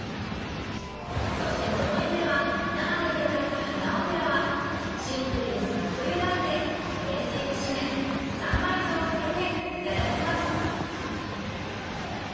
そして農園では生でいただいた花オクラはシンプルにサッとゆがいて冷水で締め三杯酢をかけていただきます。